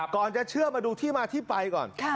จะเชื่อมาดูที่มาที่ไปก่อน